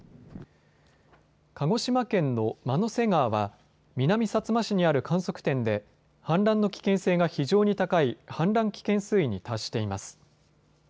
鹿児島県の万之瀬川は南さつま市にある観測点で氾濫の危険性が非常に高い、氾濫危険水位に達しています。